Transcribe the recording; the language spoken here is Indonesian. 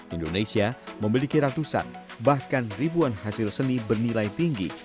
indonesia memiliki ratusan bahkan ribuan hasil seni bernilai tinggi